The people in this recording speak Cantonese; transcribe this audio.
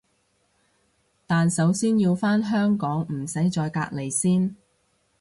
但首先要返香港唔使再隔離先